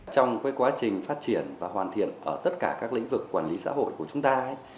trong quá trình phát triển và hoàn thiện ở tất cả các lĩnh vực quản lý xã hội của chúng ta